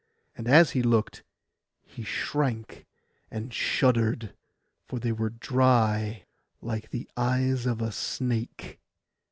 And as he looked, he shrank and shuddered; for they were dry like the eyes of a snake.